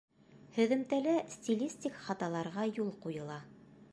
Һөҙөмтәлә стилистик хаталарға юл ҡуйыла.